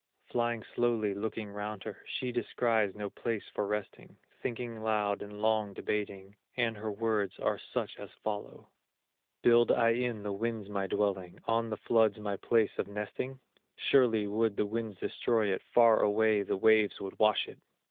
Flying slowly, looking round her, She descries no place for resting, Thinking loud and long debating, And her words are such as follow: "Build I in the winds my dwelling, On the floods my place of nesting? Surely would the winds destroy it, Far away the waves would wash it."